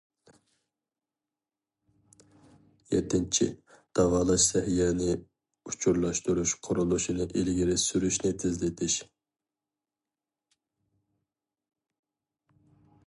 يەتتىنچى، داۋالاش سەھىيەنى ئۇچۇرلاشتۇرۇش قۇرۇلۇشىنى ئىلگىرى سۈرۈشنى تېزلىتىش.